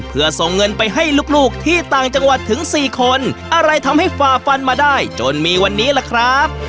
เพื่อส่งเงินไปให้ลูกที่ต่างจังหวัดถึงสี่คนอะไรทำให้ฝ่าฟันมาได้จนมีวันนี้ล่ะครับ